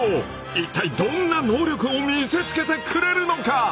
一体どんな能力を見せつけてくれるのか！